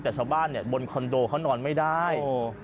แต่ชาวบ้านเนี่ยบนคอนโดเขานอนไม่ได้